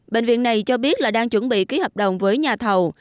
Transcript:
bệnh viện này cho biết là đang chuẩn bị ký hợp đồng với nhà thầu